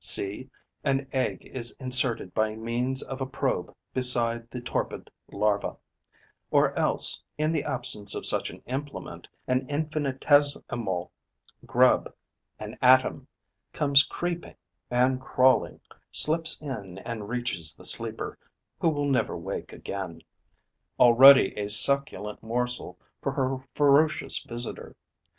See, an egg is inserted by means of a probe beside the torpid larva; or else, in the absence of such an implement, an infinitesimal grub, an atom, comes creeping and crawling, slips in and reaches the sleeper, who will never wake again, already a succulent morsel for her ferocious visitor.